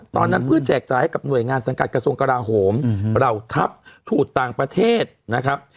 ตอนนั้นเพื่อแจกจ่ายให้กับหน่วยงานสังกัดกระทรวงกราโหมเหล่าทัพทูตต่างประเทศนะครับ